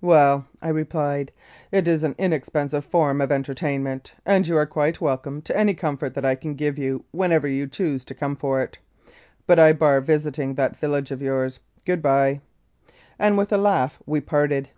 "Well," I replied, "it is an inexpensive form of entertainment, and you are quite welcome to any com fort that I can give you whenever you choose to come for it. But I bar visiting that village of yours. Good bye !" and with a laugh we parted.